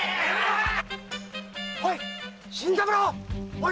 おい！